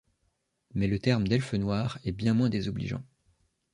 Mais le terme d'elfe noir est bien moins désobligeant.